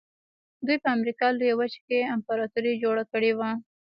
دوی په امریکا لویه وچه کې امپراتوري جوړه کړې وه.